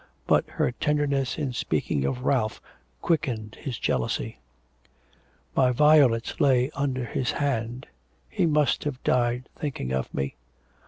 But her tenderness, in speaking of Ralph, quickened his jealousy. 'My violets lay under his hand, he must have died thinking of me.'